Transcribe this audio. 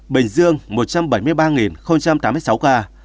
bình dương một trăm bảy mươi ba tám mươi sáu ca